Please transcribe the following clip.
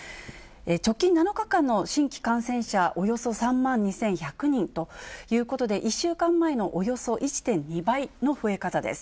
直近７日間の新規感染者、およそ３万２１００人ということで、１週間前のおよそ１．２倍の増え方です。